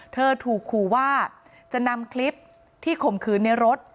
เธอถูกขู่ว่าจะนำคลิปที่ข่มขืนในรถ